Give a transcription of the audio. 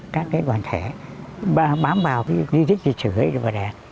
các cái đoàn thể bám vào cái dịch dịch chửi và đạt